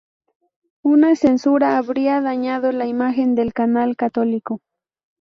Una censura habría dañado la imagen del canal católico.